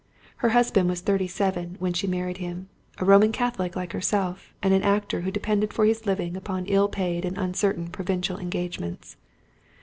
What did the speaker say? Her husband was thirty seven when she married him, a Roman Catholic like herself, and an actor who depended for his living upon ill paid and uncertain provincial engagements.